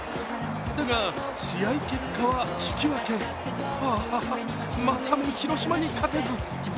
だが試合結果は引き分け、あああ、またも広島に勝てず。